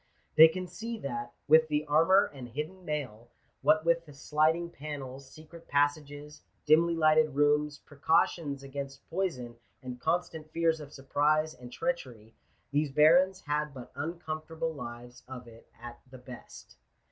They can see that* what with armour and hidden mail, what with sliding panels, secret passages, dimly lighted rooms, precautions against poi son, and constant fears of surprise and treachery, these barons had but uncomfortable lives of it at the best.